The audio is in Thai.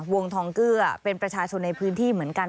วงทองเกลือเป็นประชาชนในพื้นที่เหมือนกัน